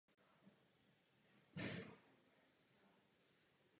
Sedm členů posádky zahynulo a čtyři byli zraněni.